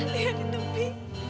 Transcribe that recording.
bi lihat itu bi